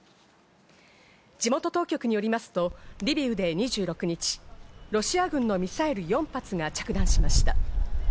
地元当局によりますと、リビウで２６日、ロシア軍のミサイル４発が着弾しました。